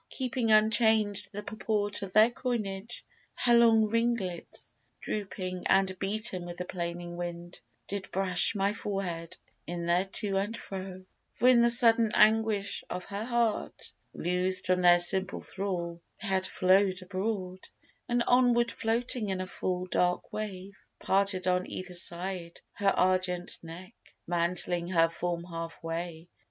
Keeping unchanged The purport of their coinage. Her long ringlets, Drooping and beaten with the plaining wind, Did brush my forehead in their to and fro: For in the sudden anguish of her heart Loosed from their simple thrall they had flowed abroad, And onward floating in a full, dark wave, Parted on either side her argent neck, Mantling her form half way.